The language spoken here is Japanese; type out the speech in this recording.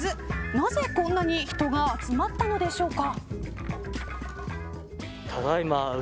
なぜこんなに人が集まったのでしょうか。